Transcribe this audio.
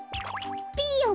ピーヨン